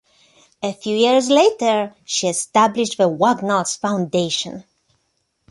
A few years later she established the Wagnalls Foundation.